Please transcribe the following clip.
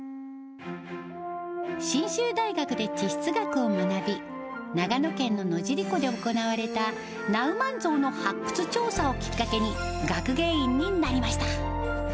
信州大学で地質学を学び、長野県の野尻湖で行われたナウマンゾウの発掘調査をきっかけに、学芸員になりました。